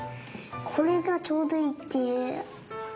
これがちょうどいいっていう。